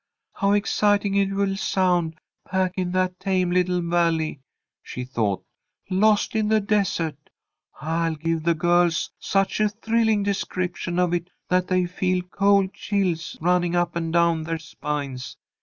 "How exciting it will sound back in that tame little Valley," she thought, "lost in the desert! I'll give the girls such a thrilling description of it that they'll feel cold chills running up and down their spines.